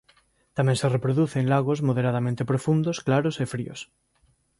Tamén se reproduce en lagos moderadamente profundos claros e fríos.